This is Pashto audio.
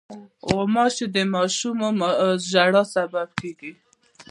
غوماشې د ماشومو ژړا سبب ګرځي.